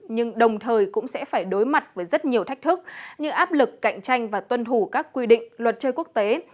nhưng đồng thời cũng sẽ phải đối mặt với rất nhiều thách thức như áp lực cạnh tranh và tuân thủ các quy định luật chơi quốc tế